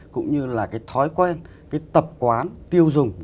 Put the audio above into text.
cũng như là cái thói quen cái tập quán tiêu dùng